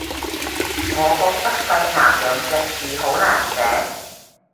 我覺得肺癌兩隻字好難寫